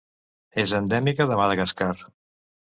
És endèmica de Madagascar.